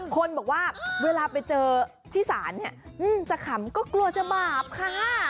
คนบอกว่าเวลาไปเจอที่ศาลเนี่ยจะขำก็กลัวจะบาปค่ะ